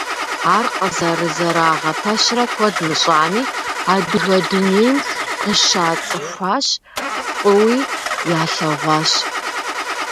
Ар къызэрызэрагъэпэщрэ куэд мыщӏами, адыгэ дунейм къыщацӏыхуащ, фӏыуи ялъэгъуащ.